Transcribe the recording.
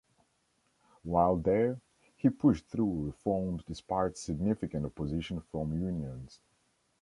While there, he pushed through reforms despite significant opposition from unions.